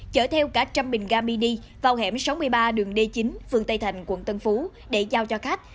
chở theo cả trăm bình ga mini vào hẻm sáu mươi ba đường d chín phường tây thành quận tân phú để giao cho khách